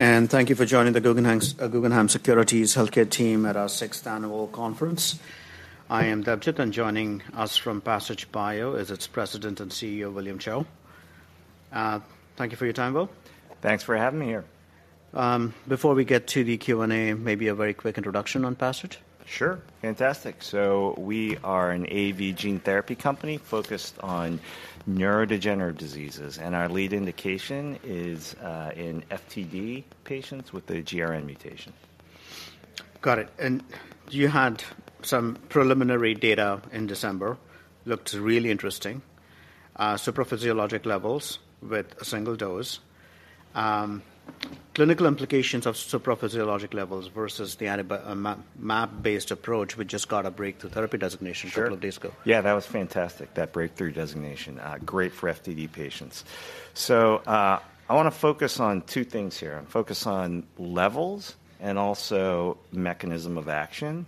Thank you for joining the Guggenheim Securities Healthcare team at our Sixth Annual Conference. I am Debjit, and joining us from Passage Bio is its President and CEO, William Chou. Thank you for your time, Will. Thanks for having me here. Before we get to the Q&A, maybe a very quick introduction on Passage? Sure, fantastic. So we are an AAV gene therapy company focused on neurodegenerative diseases, and our lead indication is in FTD patients with the GRN mutation. Got it. And you had some preliminary data in December, looked really interesting. Supraphysiologic levels with a single dose. Clinical implications of supraphysiologic levels versus the mAb, mAb-based approach, we just got a breakthrough therapy designation- Sure - a couple of days ago. Yeah, that was fantastic, that breakthrough designation. Great for FTD patients. So, I wanna focus on two things here. Focus on levels and also mechanism of action,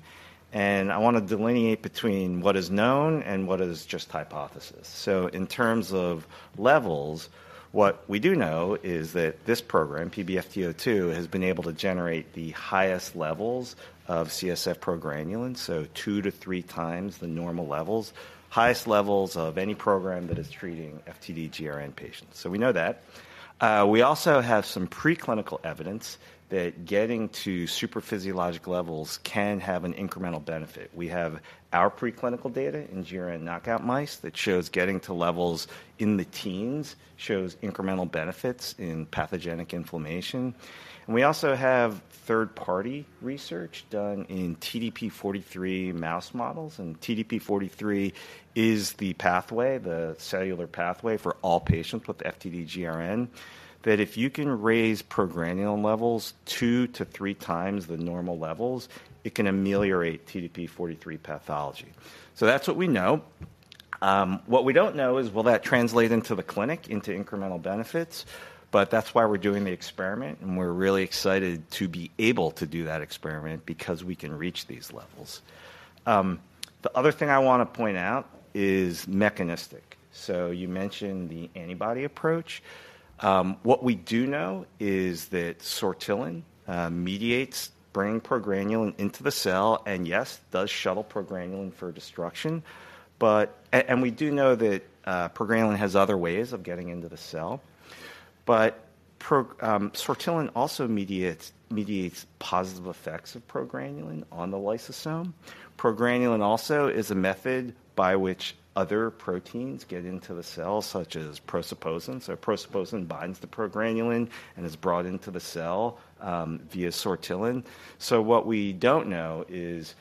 and I wanna delineate between what is known and what is just hypothesis. So in terms of levels, what we do know is that this program, PBFT02, has been able to generate the highest levels of CSF progranulin, so 2x-3x the normal levels. Highest levels of any program that is treating FTD-GRN patients. So we know that. We also have some preclinical evidence that getting to supraphysiologic levels can have an incremental benefit. We have our preclinical data in GRN knockout mice that shows getting to levels in the teens, shows incremental benefits in pathogenic inflammation. We also have third-party research done in TDP-43 mouse models, and TDP-43 is the pathway, the cellular pathway for all patients with FTD-GRN, that if you can raise progranulin levels 2x-3x times the normal levels, it can ameliorate TDP-43 pathology. So that's what we know. What we don't know is will that translate into the clinic, into incremental benefits? But that's why we're doing the experiment, and we're really excited to be able to do that experiment because we can reach these levels. The other thing I wanna point out is mechanistic. So you mentioned the antibody approach. What we do know is that sortilin mediates bringing progranulin into the cell, and yes, does shuttle progranulin for destruction. But... And we do know that progranulin has other ways of getting into the cell, but pro sortilin also mediates positive effects of progranulin on the lysosome. Progranulin also is a method by which other proteins get into the cell, such as prosaposin. So prosaposin binds the progranulin and is brought into the cell via sortilin. So what we don't know is,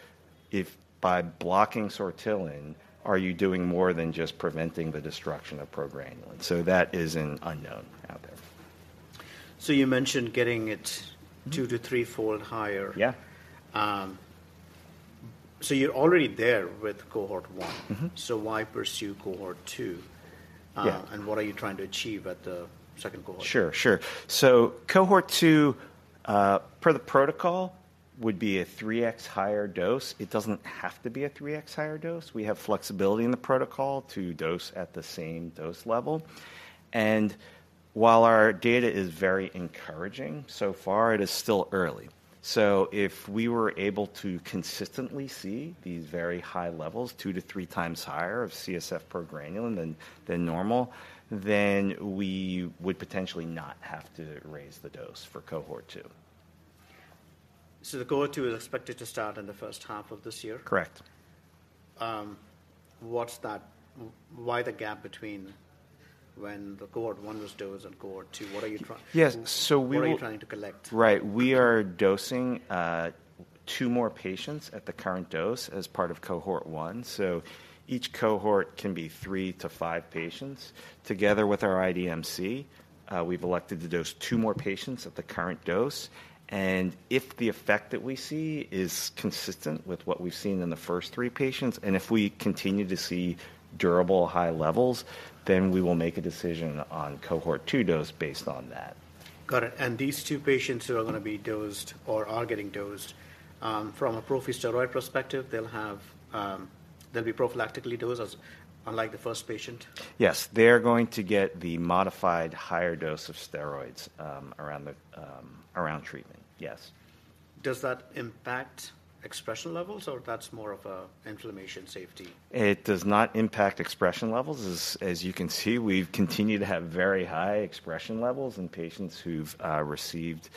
if by blocking sortilin, are you doing more than just preventing the destruction of progranulin? So that is an unknown out there. So you mentioned getting it- Mm-hmm. 2x-3x fold higher. Yeah. So you're already there with Cohort 2. Mm-hmm. Why pursue Cohort 2? Yeah. What are you trying to achieve at the second Cohort? Sure, sure. So Cohort 2, per the protocol, would be a 3x higher dose. It doesn't have to be a 3x higher dose. We have flexibility in the protocol to dose at the same dose level. And while our data is very encouraging so far, it is still early. So if we were able to consistently see these very high levels, 2x-3x higher of CSF progranulin than normal, then we would potentially not have to raise the dose for Cohort 2. The Cohort 2 is expected to start in the first half of this year? Correct. What's that? Why the gap between when the Cohort 1 was dosed and Cohort 2? What are you try- Yes, so we- What are you trying to collect? Right. We are dosing two more patients at the current dose as part of Cohort 1. So each Cohort can be three to five patients. Together with our IDMC, we've elected to dose two more patients at the current dose, and if the effect that we see is consistent with what we've seen in the first three patients, and if we continue to see durable high levels, then we will make a decision on Cohort 2 dose based on that. Got it. These two patients who are gonna be dosed or are getting dosed, from a prophy steroid perspective, they'll be prophylactically dosed as, unlike the first patient? Yes, they are going to get the modified higher dose of steroids, around treatment. Yes. Does that impact expression levels, or that's more of a inflammation safety? It does not impact expression levels. As you can see, we've continued to have very high expression levels in patients who've received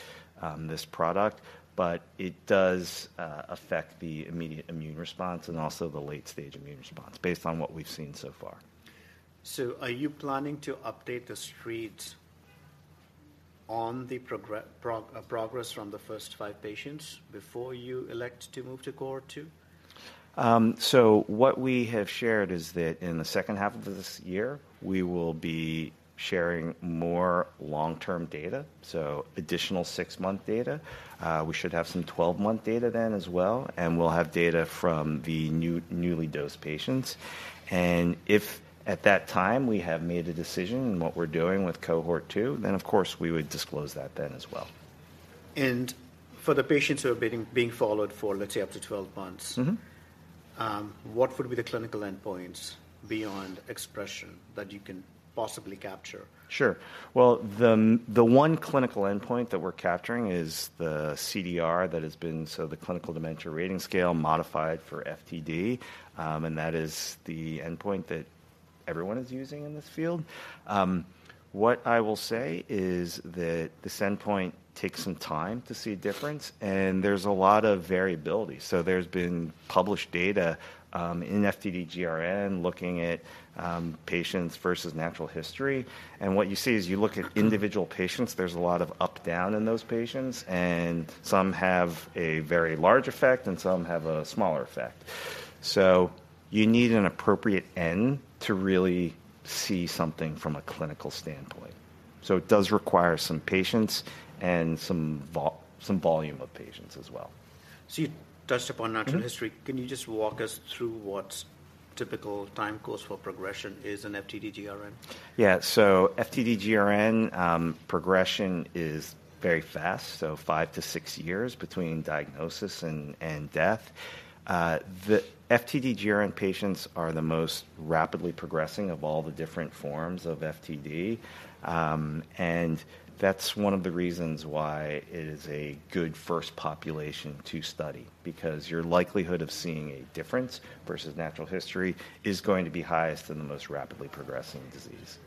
this product. But it does affect the immediate immune response and also the late-stage immune response, based on what we've seen so far. Are you planning to update the Street on the progress from the first five patients before you elect to move to Cohort 2? So what we have shared is that in the second half of this year, we will be sharing more long-term data, so additional 6-month data. We should have some 12-month data then as well, and we'll have data from the newly dosed patients. And if at that time we have made a decision on what we're doing with Cohort 2, then, of course, we would disclose that then as well. And for the patients who are being followed for, let's say, up to 12 months- Mm-hmm... what would be the clinical endpoints beyond expression that you can possibly capture? Sure. Well, the one clinical endpoint that we're capturing is the CDR that has been, so the Clinical Dementia Rating scale modified for FTD, and that is the endpoint that everyone is using in this field. What I will say is that this endpoint takes some time to see a difference, and there's a lot of variability. So there's been published data in FTD-GRN looking at patients versus natural history, and what you see is you look at- Mm-hmm... individual patients, there's a lot of up/down in those patients, and some have a very large effect, and some have a smaller effect. So you need an appropriate end to really see something from a clinical standpoint. So it does require some patience and some volume of patients as well. You touched upon natural history. Mm-hmm. Can you just walk us through what's typical time course for progression is in FTD-GRN? Yeah. So FTD-GRN progression is very fast, so five to six years between diagnosis and death. The FTD-GRN patients are the most rapidly progressing of all the different forms of FTD. That's one of the reasons why it is a good first population to study. Because your likelihood of seeing a difference versus natural history is going to be highest in the most rapidly progressing disease.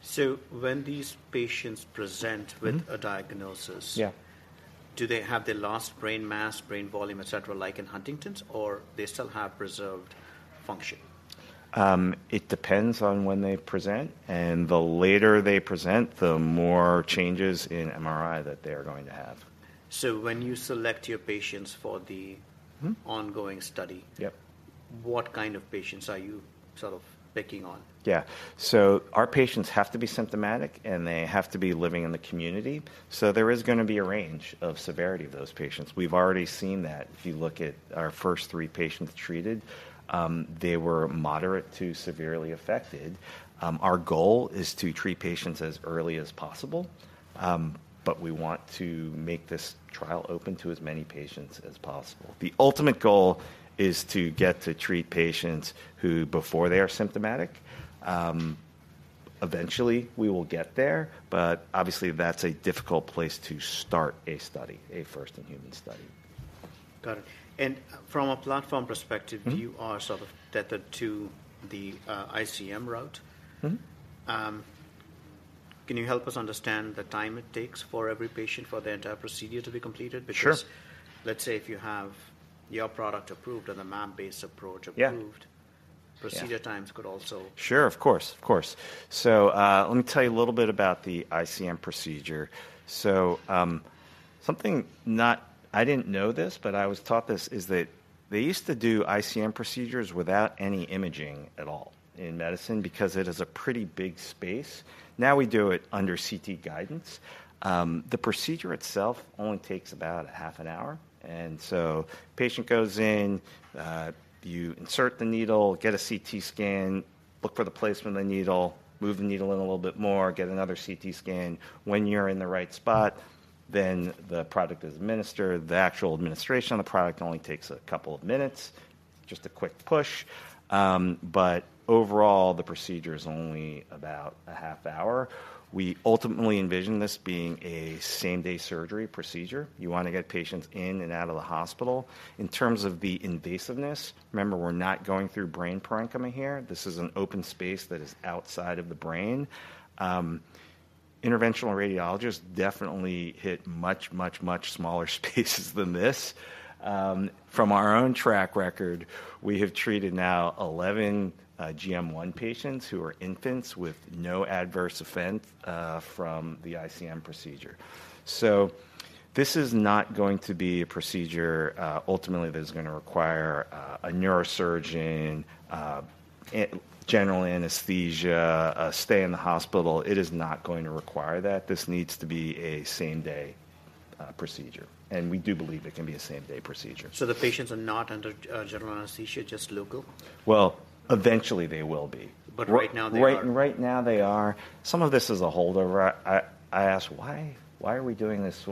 So when these patients present- Mm-hmm... with a diagnosis- Yeah ... do they have the last brain mass, brain volume, et cetera, like in Huntington's, or they still have preserved function? It depends on when they present, and the later they present, the more changes in MRI that they are going to have. So when you select your patients for the- Mm-hmm... ongoing study. Yep... what kind of patients are you sort of picking on? Yeah. So our patients have to be symptomatic, and they have to be living in the community. So there is gonna be a range of severity of those patients. We've already seen that. If you look at our first three patients treated, they were moderate to severely affected. Our goal is to treat patients as early as possible, but we want to make this trial open to as many patients as possible. The ultimate goal is to get to treat patients who, before they are symptomatic. Eventually, we will get there, but obviously, that's a difficult place to start a study, a first-in-human study. Got it. And from a platform perspective- Mm-hmm... you are sort of tethered to the, ICM route? Mm-hmm. Can you help us understand the time it takes for every patient for the entire procedure to be completed? Sure. Because let's say if you have your product approved and the mAb-based approach- Yeah... approved- Yeah... procedure times could also- Sure, of course, of course. So, let me tell you a little bit about the ICM procedure. So, something I didn't know this, but I was taught this, is that they used to do ICM procedures without any imaging at all in medicine because it is a pretty big space. Now we do it under CT guidance. The procedure itself only takes about a half an hour, and so patient goes in, you insert the needle, get a CT scan, look for the placement of the needle, move the needle in a little bit more, get another CT scan. When you're in the right spot, then the product is administered. The actual administration of the product only takes a couple of minutes, just a quick push. But overall, the procedure is only about a half hour. We ultimately envision this being a same-day surgery procedure. You wanna get patients in and out of the hospital. In terms of the invasiveness, remember, we're not going through brain parenchyma here. This is an open space that is outside of the brain. Interventional radiologists definitely hit much, much, much smaller spaces than this. From our own track record, we have treated now 11 GM1 patients who are infants with no adverse event from the ICM procedure. So this is not going to be a procedure, ultimately, that is gonna require a neurosurgeon, general anesthesia, a stay in the hospital. It is not going to require that. This needs to be a same-day procedure, and we do believe it can be a same-day procedure. So the patients are not under general anesthesia, just local? Well, eventually they will be. But right now they are- Right, right now they are. Some of this is a holdover. I ask, "Why? Why are we doing this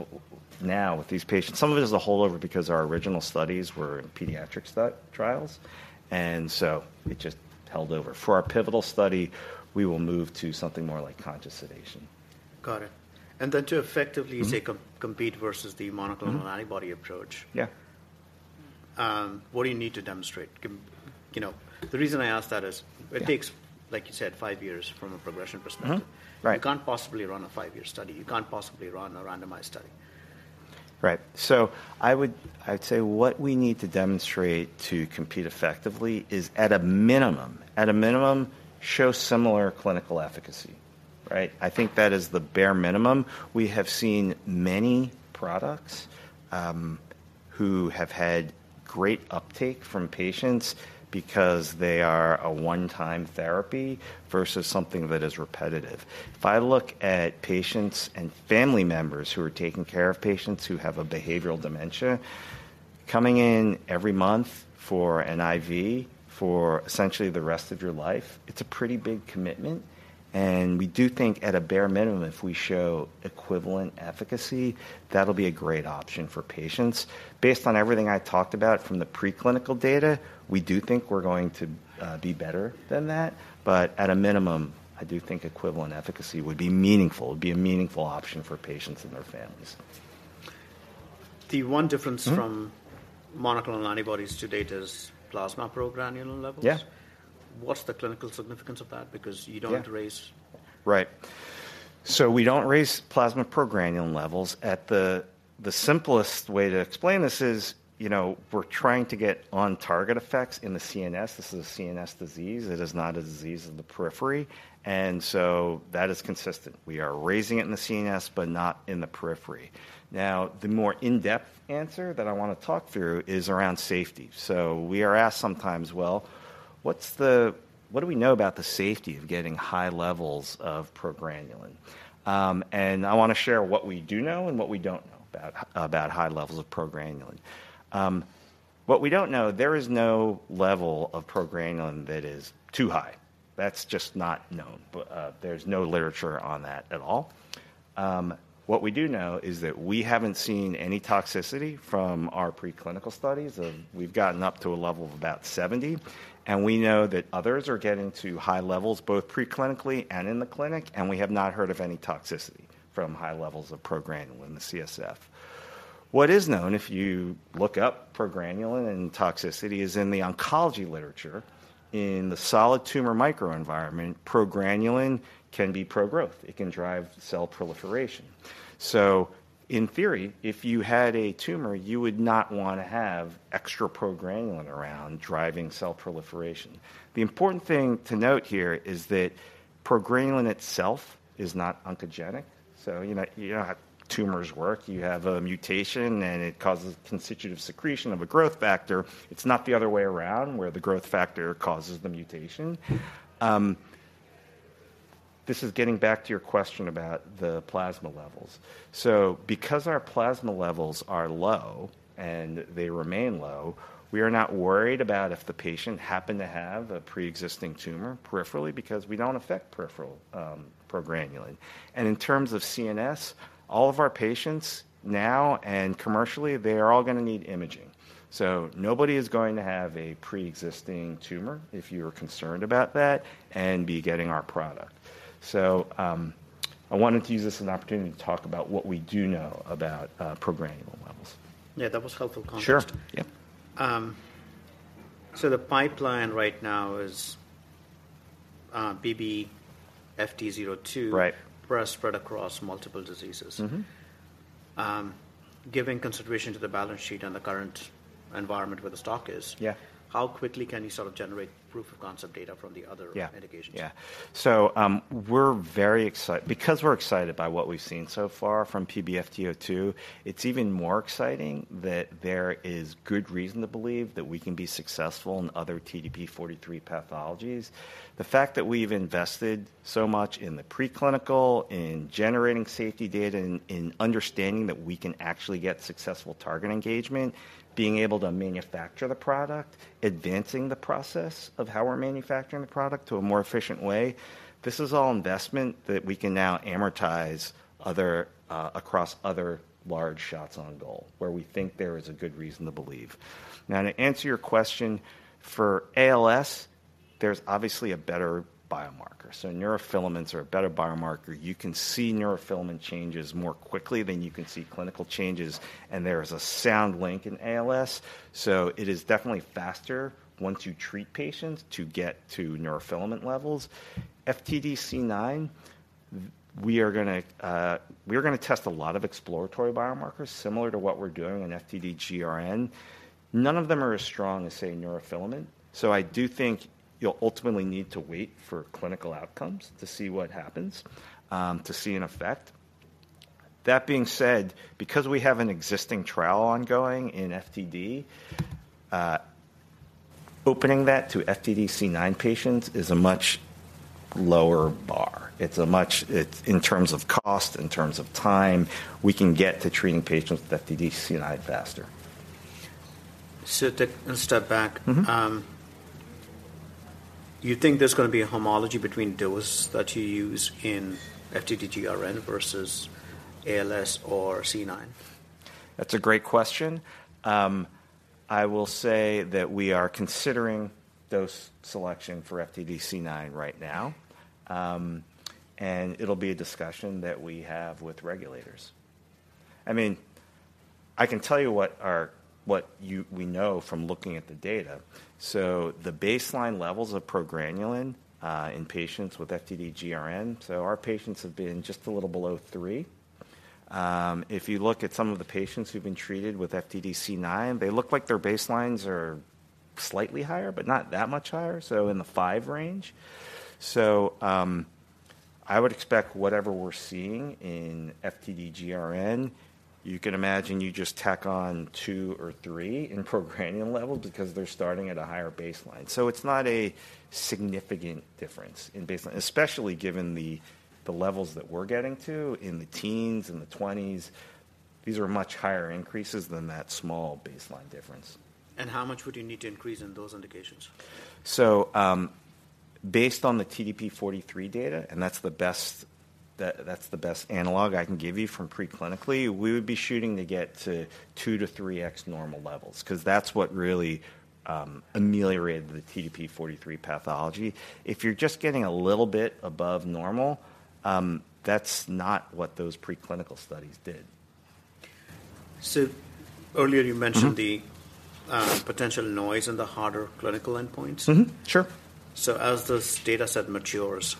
now with these patients?" Some of it is a holdover because our original studies were in pediatrics trials, and so it just held over. For our pivotal study, we will move to something more like conscious sedation. Got it. And then to effectively- Mm-hmm... say, compete versus the monoclonal- Mm-hmm... antibody approach- Yeah What do you need to demonstrate? You know, the reason I ask that is- Yeah... it takes, like you said, five years from a progression perspective. Mm-hmm. Right. You can't possibly run a five year study. You can't possibly run a randomized study. Right. I'd say what we need to demonstrate to compete effectively is, at a minimum, at a minimum, show similar clinical efficacy, right? I think that is the bare minimum. We have seen many products who have had great uptake from patients because they are a one-time therapy versus something that is repetitive. If I look at patients and family members who are taking care of patients who have a behavioral dementia... Coming in every month for an IV for essentially the rest of your life, it's a pretty big commitment, and we do think at a bare minimum, if we show equivalent efficacy, that'll be a great option for patients. Based on everything I talked about from the preclinical data, we do think we're going to be better than that. At a minimum, I do think equivalent efficacy would be meaningful, it'd be a meaningful option for patients and their families. The one difference- Mm-hmm. From monoclonal antibodies to date is plasma progranulin levels? Yeah. What's the clinical significance of that? Because you don't- Yeah -raise. Right. So we don't raise plasma progranulin levels. At the, the simplest way to explain this is, you know, we're trying to get on target effects in the CNS. This is a CNS disease. It is not a disease in the periphery, and so that is consistent. We are raising it in the CNS, but not in the periphery. Now, the more in-depth answer that I want to talk through is around safety. So we are asked sometimes, "Well, what do we know about the safety of getting high levels of progranulin?" And I want to share what we do know and what we don't know about high levels of progranulin. What we don't know, there is no level of progranulin that is too high. That's just not known. But, there's no literature on that at all. What we do know is that we haven't seen any toxicity from our preclinical studies of... We've gotten up to a level of about 70, and we know that others are getting to high levels, both preclinically and in the clinic, and we have not heard of any toxicity from high levels of progranulin in the CSF. What is known, if you look up progranulin and toxicity, is in the oncology literature, in the solid tumor microenvironment, progranulin can be pro-growth. It can drive cell proliferation. So in theory, if you had a tumor, you would not want to have extra progranulin around, driving cell proliferation. The important thing to note here is that progranulin itself is not oncogenic. So you know, you know how tumors work. You have a mutation, and it causes constitutive secretion of a growth factor. It's not the other way around, where the growth factor causes the mutation. This is getting back to your question about the plasma levels. So because our plasma levels are low and they remain low, we are not worried about if the patient happened to have a pre-existing tumor peripherally, because we don't affect peripheral progranulin. And in terms of CNS, all of our patients now and commercially, they are all gonna need imaging. So nobody is going to have a pre-existing tumor, if you're concerned about that, and be getting our product. So I wanted to use this as an opportunity to talk about what we do know about progranulin levels. Yeah, that was helpful context. Sure, yeah. So the pipeline right now is, PBFT02- Right. spread across multiple diseases. Mm-hmm. Giving consideration to the balance sheet and the current environment where the stock is- Yeah. How quickly can you sort of generate proof of concept data from the other- Yeah -indications? Yeah. So, we're very excited. Because we're excited by what we've seen so far from PBFT02, it's even more exciting that there is good reason to believe that we can be successful in other TDP-43 pathologies. The fact that we've invested so much in the preclinical, in generating safety data, and in understanding that we can actually get successful target engagement, being able to manufacture the product, advancing the process of how we're manufacturing the product to a more efficient way, this is all investment that we can now amortize other, across other large shots on goal, where we think there is a good reason to believe. Now, to answer your question, for ALS, there's obviously a better biomarker. So neurofilaments are a better biomarker. You can see neurofilament changes more quickly than you can see clinical changes, and there is a sound link in ALS. So it is definitely faster once you treat patients to get to neurofilament levels. FTD-C9, we are gonna test a lot of exploratory biomarkers, similar to what we're doing in FTD-GRN. None of them are as strong as, say, neurofilament. So I do think you'll ultimately need to wait for clinical outcomes to see what happens, to see an effect. That being said, because we have an existing trial ongoing in FTD, opening that to FTD-C9 patients is a much lower bar. It, in terms of cost, in terms of time, we can get to treating patients with FTD-C9 faster. So, to step back. Mm-hmm. You think there's gonna be a homology between dose that you use in FTD-GRN versus ALS or C9? That's a great question. I will say that we are considering dose selection for FTD-C9 right now. It'll be a discussion that we have with regulators. I mean, I can tell you what our—what you—we know from looking at the data. So the baseline levels of progranulin in patients with FTD-GRN, so our patients have been just a little below three. If you look at some of the patients who've been treated with FTD-C9, they look like their baselines are slightly higher, but not that much higher, so in the five range. So, I would expect whatever we're seeing in FTD-GRN, you can imagine you just tack on two or three in progranulin level because they're starting at a higher baseline. So it's not a significant difference in baseline, especially given the levels that we're getting to in the teens and the 20s. These are much higher increases than that small baseline difference. How much would you need to increase in those indications? So, based on the TDP-43 data, and that's the best analog I can give you from preclinically, we would be shooting to get to 2x-3x normal levels, 'cause that's what really ameliorated the TDP-43 pathology. If you're just getting a little bit above normal, that's not what those preclinical studies did. Earlier, you mentioned- Mm-hmm... the potential noise in the harder clinical endpoints. Mm-hmm. Sure. As this data set matures,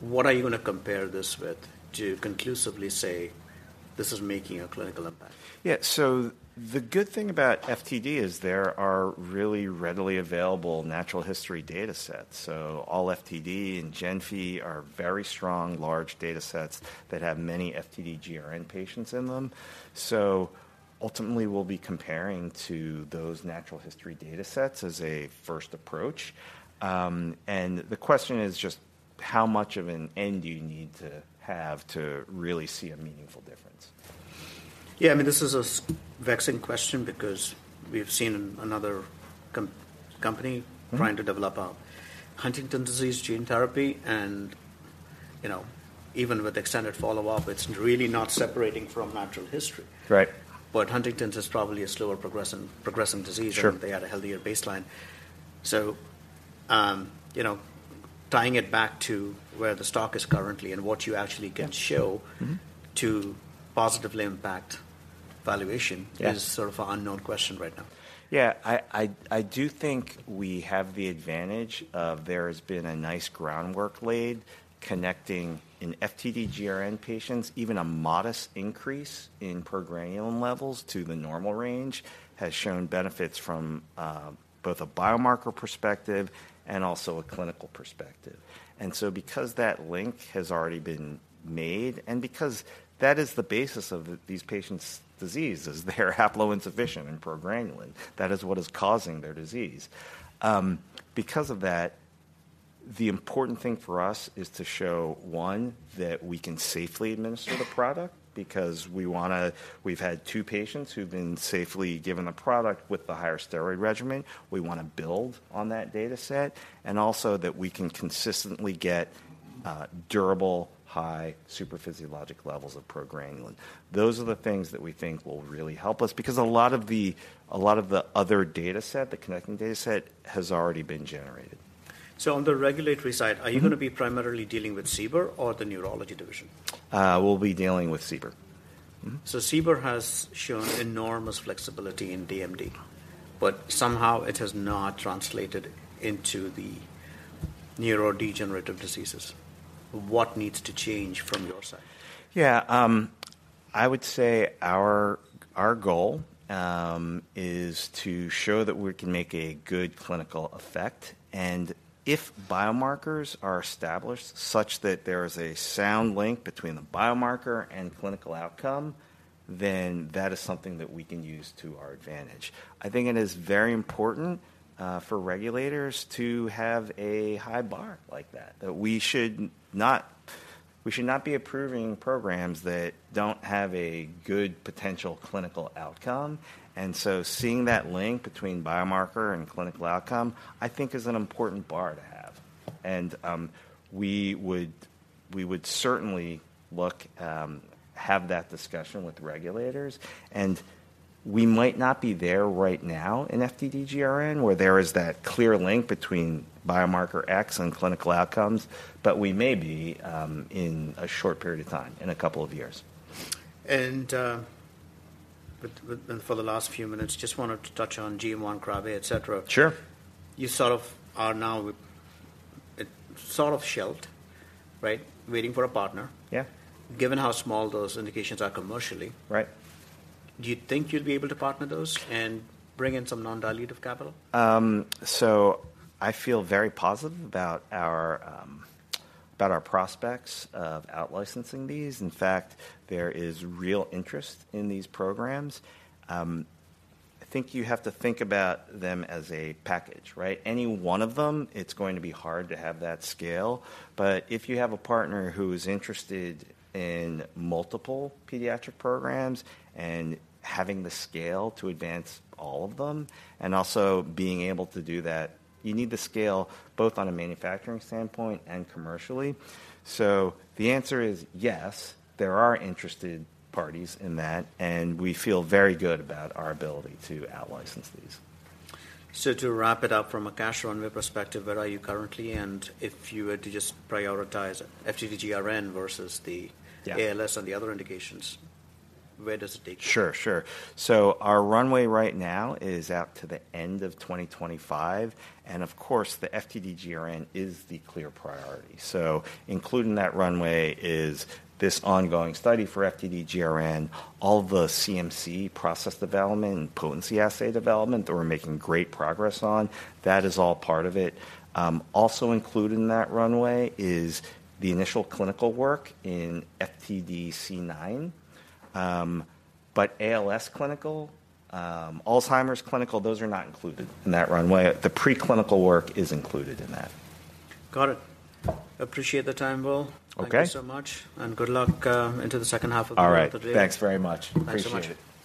what are you gonna compare this with to conclusively say, "This is making a clinical impact? Yeah. So the good thing about FTD is there are really readily available natural history data sets. So ALLFTD and GENFI are very strong, large data sets that have many FTD GRN patients in them. So ultimately, we'll be comparing to those natural history data sets as a first approach. And the question is just: how much of an N do you need to have to really see a meaningful difference? Yeah, I mean, this is a vexing question because we've seen another company- Mm-hmm... trying to develop a Huntington disease gene therapy, and, you know, even with extended follow-up, it's really not separating from natural history. Right. But Huntington's is probably a slower progressing disease- Sure... and they had a healthier baseline. So, you know, tying it back to where the stock is currently and what you actually can show- Mm-hmm... to positively impact valuation- Yeah... is sort of an unknown question right now. Yeah, I do think we have the advantage of there has been a nice groundwork laid connecting in FTD-GRN patients. Even a modest increase in progranulin levels to the normal range has shown benefits from both a biomarker perspective and also a clinical perspective. And so because that link has already been made, and because that is the basis of the, these patients' disease, is they're haploinsufficient in progranulin, that is what is causing their disease. Because of that, the important thing for us is to show, one, that we can safely administer the product, because we wanna, we've had two patients who've been safely given the product with the higher steroid regimen. We wanna build on that data set, and also that we can consistently get durable, high, supraphysiologic levels of progranulin. Those are the things that we think will really help us, because a lot of the, a lot of the other data set, the connecting data set, has already been generated. So on the regulatory side- Mm-hmm... are you gonna be primarily dealing with CBER or the neurology division? We'll be dealing with CBER. Mm-hmm. So CBER has shown enormous flexibility in DMD, but somehow it has not translated into the neurodegenerative diseases. What needs to change from your side? Yeah, I would say our goal is to show that we can make a good clinical effect. And if biomarkers are established such that there is a sound link between the biomarker and clinical outcome, then that is something that we can use to our advantage. I think it is very important for regulators to have a high bar like that, that we should not be approving programs that don't have a good potential clinical outcome. And so seeing that link between biomarker and clinical outcome, I think is an important bar to have. And we would certainly look to have that discussion with regulators. We might not be there right now in FTD-GRN, where there is that clear link between biomarker X and clinical outcomes, but we may be in a short period of time, in a couple of years. For the last few minutes, just wanted to touch on GM1, Krabbe, et cetera. Sure. You sort of are now with, sort of shelved, right? Waiting for a partner. Yeah. Given how small those indications are commercially- Right... do you think you'd be able to partner those and bring in some non-dilutive capital? So I feel very positive about our prospects of outlicensing these. In fact, there is real interest in these programs. I think you have to think about them as a package, right? Any one of them, it's going to be hard to have that scale. But if you have a partner who is interested in multiple pediatric programs and having the scale to advance all of them, and also being able to do that, you need the scale both on a manufacturing standpoint and commercially. So the answer is yes, there are interested parties in that, and we feel very good about our ability to outlicense these. So to wrap it up, from a cash runway perspective, where are you currently? And if you were to just prioritize FTD-GRN versus the- Yeah... ALS and the other indications, where does it take you? Sure, sure. So our runway right now is out to the end of 2025, and of course, the FTD-GRN is the clear priority. So including that runway is this ongoing study for FTD-GRN, all the CMC process development and potency assay development that we're making great progress on, that is all part of it. Also included in that runway is the initial clinical work in FTD-C9. But ALS clinical, Alzheimer's clinical, those are not included in that runway. The preclinical work is included in that. Got it. Appreciate the time, Will. Okay. Thank you so much, and good luck into the second half of the day. All right, thanks very much. Thanks so much. Appreciate it.